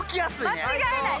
間違いない！